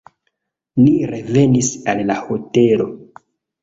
Ni revenis al la hotelo.